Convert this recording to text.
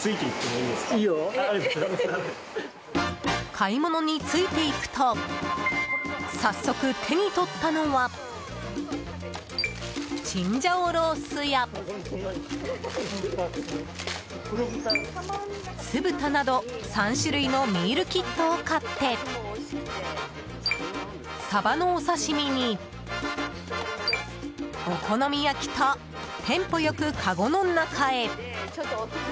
買い物についていくと早速、手に取ったのはチンジャオロースや酢豚など３種類のミールキットを買ってサバのお刺し身にお好み焼きとテンポよく、かごの中へ。